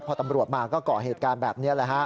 พอตำรวจมาก็เกาะเหตุการณ์แบบนี้